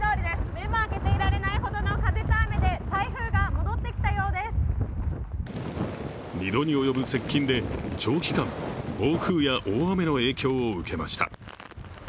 目も開けていられないほどの風と雨で２度に及ぶ接近で、長期間暴風や大雨の影響を受けました。